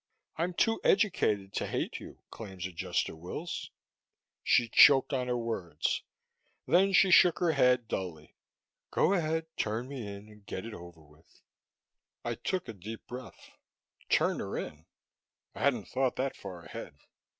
I'm too educated to hate you, Claims Adjuster Wills!" She choked on the words. Then she shook her head dully. "Go ahead, turn me in and get it over with." I took a deep breath. Turn her in? I hadn't thought that far ahead.